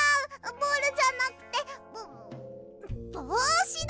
ボールじゃなくてぼうしだ！